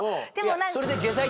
それで。